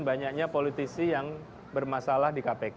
banyaknya politisi yang bermasalah di kpk